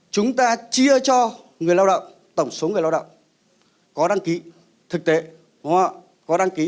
chúng ta chia cho người lao động tổng số người lao động có đăng ký thực tế đúng không có đăng ký